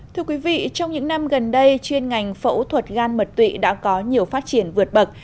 thưa quý vị trong những năm gần đây chuyên ngành phẫu thuật gan mật tụy đã có nhiều phát triển vượt bậc